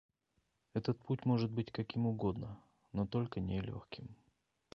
Этот путь может быть каким угодно, но только не легким.